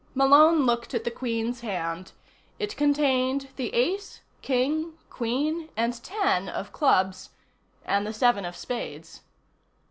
Malone looked at the Queen's hand. It contained the Ace, King, Queen and ten of clubs and the seven of spades.